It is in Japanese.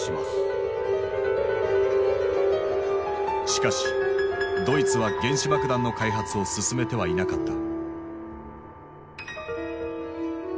しかしドイツは原子爆弾の開発を進めてはいなかった。